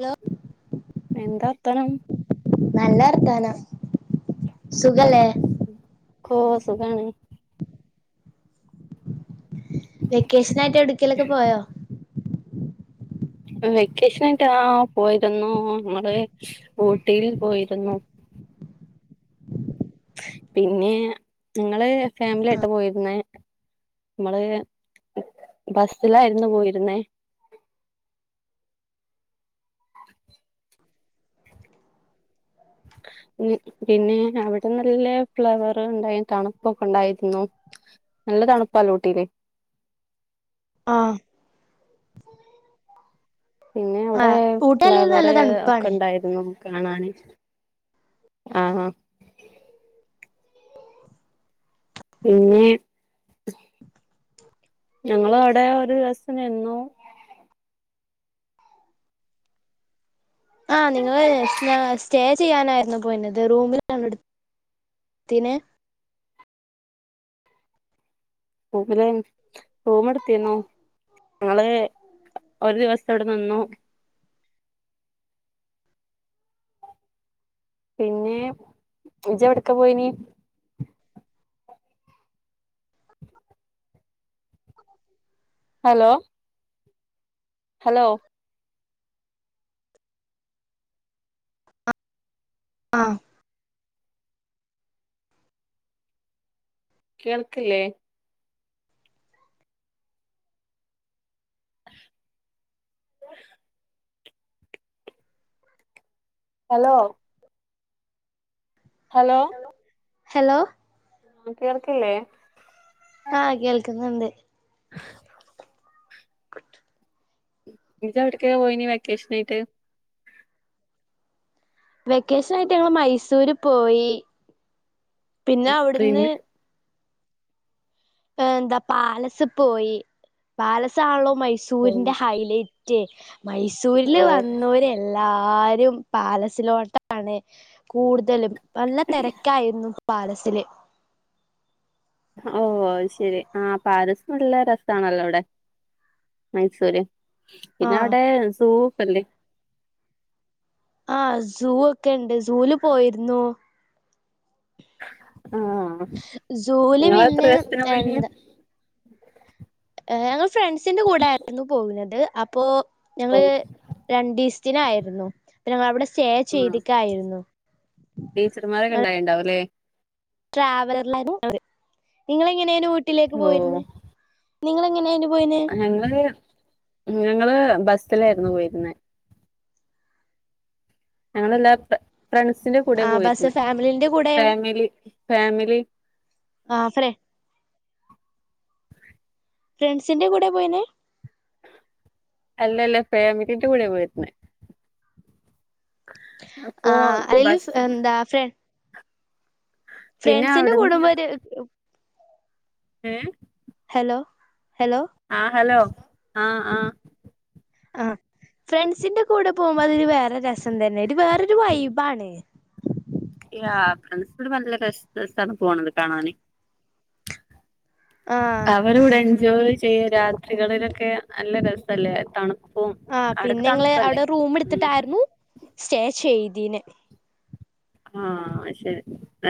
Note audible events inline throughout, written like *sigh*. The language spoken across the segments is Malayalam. ഹലോ എന്താ വർത്താനം? നല്ല വർത്താനം സുഖല്ലേ? കോഹ് സുഖാണ്. വെക്കേഷനായിട്ട് എവ്ട്ക്കേലൊക്കെ പോയോ? വെക്കേഷനായിട്ട് ആഹ് പോയിരുന്നു അമ്മള് ഊട്ടിയിൽ പോയിരുന്നു. പിന്നെ ഞങ്ങള് ഫാമിലിആയിട്ടാ പോയിരുന്നെ? മ്മള് ബസിലായിരുന്നു പോയിരുന്നേ. *inaudible* പിന്നെ അവടെ നല്ല ഫ്ലവർ ഇണ്ടായി തണുപ്പൊക്കെ ഇണ്ടായിരുന്നു. നല്ല തണുപ്പാണ്ല്ലോ ഊട്ടീല്. ആഹ്. പിന്നെ അവടെ ആഹ് ഊട്ടിയല്ലേലും ഫ്ലവർ നല്ല തണുപ്പാണ് ഒക്കെ ഇണ്ടായി ര്ന്നു കാണാന്. അഹ് ആഹ്. പിന്നെ ഞങ്ങളവടെ ഒരു ദിവസംനിന്നു. ആഹ് നിങ്ങള് സ്നാ സ്റ്റേ ചെയ്യാനായിരുന്നോ പോയിന്നത്? റൂമിലാണോ ഇട് ത്തീനെഹ്? റൂമിലേനി റൂമ്ട്ത്തീനു. ഞങ്ങള് ഒരു ദിവസവ്ടെ നിന്നു. പിന്നെ ഇജ്ജെവ്ട്ക്കാ പോയീന്യേയ്? ഹലോ ഹലോ ആഹ് കേൾക്ക്ല്ലേ? *inaudible* ഹലോ ഹലോ ഹലോ ആഹ് കേൾക്കില്ലേ? ആഹ് കേൾക്കുന്നിണ്ട് *unintelligible* ഇജ്ജെവിടെക്കാ പോയീനി വെക്കേഷനായിട്ട്? വെക്കേഷനായിട്ട് ഞങ്ങള് മൈസൂര് പോയി പിന്നെ അവിടുന്ന് പിന്നെ ആഹാ എന്താ പാലസ് പോയി പാലസാണല്ലോ ഓ മൈസൂരിന്റെ ഹൈലെ റ്റ് മൈസൂരില് വന്നോരെ എല്ലാരും പാലസിലോട്ടാണ് കൂടുതലും നല്ല തെരക്കായിരുന്നു പാലസില് ഓഹ് അയ് ശരി ആഹ് പാലസ് നല്ല രെസാണല്ലോ അവടെ മൈസൂര് ആഹ് പിന്നവടെ സൂ ഒക്കല്ലെ? ആഹ് സൂ ഒക്കെണ്ട് സൂവില് പോയിരുന്നു ആഹ് സൂവില് നിങ്ങൾ എത്ര പിന്നെ ദിവസത്തിന് പോയിന് എന്താ ഞങ്ങള് ഫ്രണ്ട്സിന്റെ കൂടെ ആയിരുന്നു പോകുന്നത് അപ്പോ ഓ ഞങ്ങള് രണ്ടീസ്ത്തിനായിരുന്നു പിന്നെ ഞങ്ങളവടെ സ്റ്റേ ആഹ് ചെയ്തിക്കായിരുന്നു ടീച്ചർമാരൊക്കെ ഇണ്ടായിണ്ടോവുല്ലേ ട്രാവലറിലായിരുന്നു നിങ്ങള് എങ്ങനെ ആനു വീട്ടിലേക്ക് ഓ പോയിരുന്നേ നിങ്ങള് എങ്ങനെയായിന് പോയിനെ ഞങ്ങള് ഞങ്ങള് ബസ്സിലായിരുന്നു പോയിരുന്നെ ഞങ്ങളെല്ലാ ഫ്രണ്ട്സിന്റെ ആ കൂടെയാ ബസ് പോയിരുന്നെ ഫാമിലിന്റെ കൂടെയാണ് ഫാമിലി ഫാമിലി ആഹ് ഫ്രേ ഫ്രണ്ട്സിന്റെ കൂടെയാ പോയിനെ അല്ല അല്ല ഫാമിലിന്റെ കൂടെയാ പോയിരുന്നെ അപ്പോ ബസ്സി ദാ ഫ്രേ പിന്നെ ഫ്രണ്ട്സിന്റെ കൂടെ അവിടുന്ന് *unintelligible* ഏയ് ഹലോ ഹലോ ആഹ് ഹലോ ആഹ് ആഹ് ആഹ് ഫ്രണ്ട്സിന്റെ കൂടെ പോമ്പോ അതൊരു വേറെ രസം തന്നെ ഇത് വേറൊരു വൈബാണ് ഇല്ല *unintelligible* സ്ഥല പോണത് കാണാന് ആ അവര് ഇവടെ എൻജോയ് ചെയ്യ് രാത്രികളിലൊക്കെ നല്ല രസല്ലേ തണു ആഹ് പിന്നെ ഇങ്ങള് അവടെ റൂം ഉം എടുത്തിട്ടായിരുന്നു സ്റ്റേ ചെയ്തീന് ആഹ് അയ് ശരി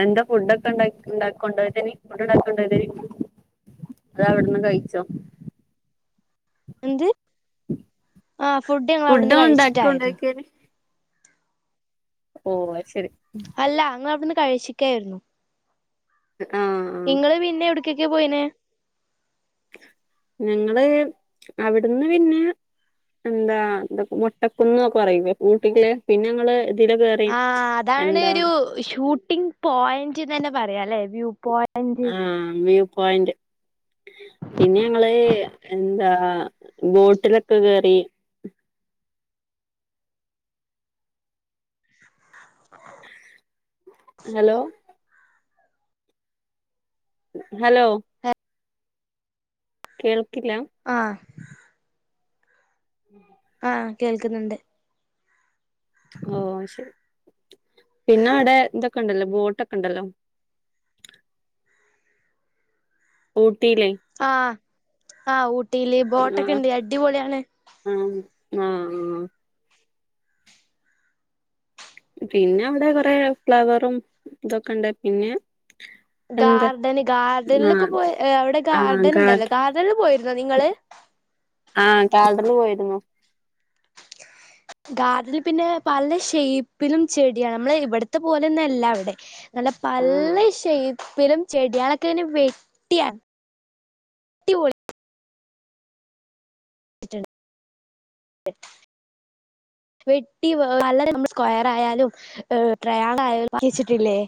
എന്താ ഫുഡ് ഒക്കെ ഇണ്ടാക്കി ഇണ്ടാക്കണ്ടോ *unintelligible* അതവിടുന്ന് കയിച്ചോ എന്ത് ആ ഞങ്ങൾ ഫുഡ് അവിടുന്ന് ഒണ്ടാക്കി കഴിച്ചിട്ടായിരുന്നു ഒണ്ടാക്കിനി ഒയ് അയ് ശരി അല്ല അങ്ങ് അവടുന്ന് കഴിച്ചിക്കെ ആയിരുന്നു ആഹ് നിങ്ങള് പിന്നെ എവടക്കെക്ക പോയിനെ ഞങ്ങള് അവിടുന്ന് പിന്നെ എന്താ എന്ത മുട്ടക്കുന്നൊക്കെ പറയും ഊട്ടികള് പിന്നെ ഞങ്ങള് ഇതില് കേറി ആഹ് അതാണ് എന്താ ഒരു ഷൂട്ടിംഗ് പോയിന്റ്ന്ന് തന്നെ പറയാം അല്ലെ വ്യൂ പോയിന്റ് ആഹ് വ്യൂ പോയിന്റ് പിന്നെ ഞങ്ങള് എന്താ ബോട്ടിലൊക്കെ കേറി *inaudible* ഹലോ ഹലോ കേൾക്കില്ല ആഹ് ആഹ് കേൾക്കുന്നുണ്ട് ഓ ശരി പിന്നെ അവിടെ എന്തൊക്കെ ഉണ്ടല്ലോ ബോട്ടൊക്കെ ഉണ്ടല്ലോ ഊട്ടിയിലെ ആഹ് ആഹ് ഊട്ടിയില് ബോട്ടൊക്കെ ഉണ്ട് അടിപൊളിയാണ് ആഹ് ആഹ് ആഹ് പിന്നെ അവിടെ കൊറെ ഫ്ലവറും ഇതൊക്കെണ്ട് പിന്നെ എന്താ ഗാർഡന് ആ ഗാർഡനിലൊക്കെ പോയ അവിടെ ആ ഗാർഡൻ ഗാർഡ ഉണ്ടല്ലോ ഗാർഡനില് പോയിരുന്നോ നിങ്ങള് ആഹ് ഗാർഡനിൽ പോയിരുന്നു ഗാർഡനിൽ പിന്നെ പല ഷേപ്പിലും ചെടിയാണ് നമ്മള് ഇവിടത്തെ പോലെയൊന്നല്ല അവിടെ നല്ല ആ പല്ലഷേപ്പിലും ചെടികളൊക്കെ ഇങ്ങനെ വെട്ടിയാണ് *inaudible* വെട്ടി വല്ലരെ നമ്മള് സ്ക്വയർ ആയാലും ആഹ് ട്രായങ്കിൾ ആയും ആക്കി വെച്ചിട്ടില്ലേ